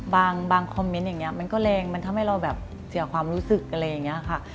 บางคอมเมนต์อย่างนี้มันก็แรงมันทำให้เราแบบเสียความรู้สึกอะไรอย่างนี้ค่ะ